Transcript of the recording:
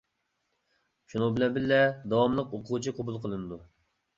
شۇنىڭ بىلەن بىللە داۋاملىق ئوقۇغۇچى قوبۇل قىلىنىدۇ.